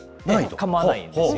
かまわないんですよ。